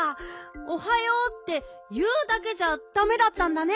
おはようっていうだけじゃダメだったんだね。